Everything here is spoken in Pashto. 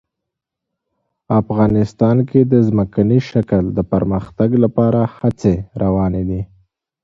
افغانستان کې د ځمکني شکل د پرمختګ لپاره هڅې روانې دي.